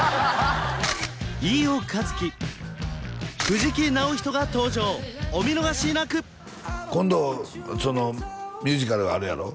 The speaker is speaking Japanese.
飯尾和樹藤木直人が登場お見逃しなく今度ミュージカルがあるやろ？